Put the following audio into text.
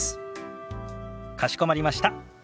かしこまりました。